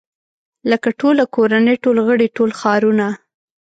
لکه ټوله کورنۍ ټول غړي ټول ښارونه.